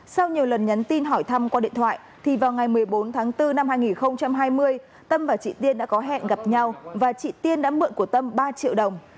sau nhiều lần nhắn tin hỏi thăm qua điện thoại thì vào ngày một mươi bốn tháng bốn năm hai nghìn hai mươi tâm và chị tiên đã có hẹn gặp nhau và chị tiên đã mượn của tâm ba triệu đồng